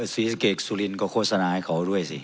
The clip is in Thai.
ศรีสะเกดสุรินก็โฆษณาให้เขาด้วยสิ